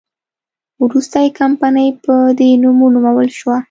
وروسته یې کمپنۍ په دې نوم ونومول شوه.